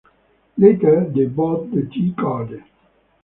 Later they bought the tea garden.